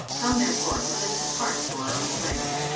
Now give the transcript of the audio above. Come, therefore, let us depart to our own place."